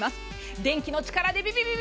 電気の力でビビビビ。